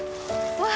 わあ。